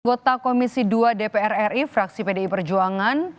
anggota komisi dua dpr ri fraksi pdi perjuangan